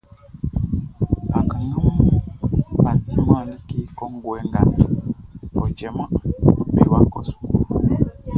Bakannganʼm bʼa diman like kɔnguɛ nga, ɔ cɛman be wa kɔ suklu.